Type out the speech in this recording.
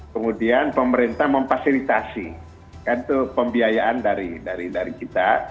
kemudian pemerintah memfasilitasi pembiayaan dari kita